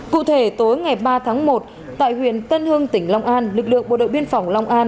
cụ thể tối ngày ba tháng một tại huyện tân hưng tỉnh long an lực lượng bộ đội biên phòng long an